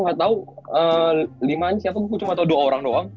gue gak tau lima an siapa gue cuma tau dua orang doang